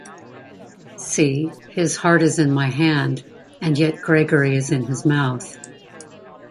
See, his heart is in my hand, and yet Gregory is in his mouth.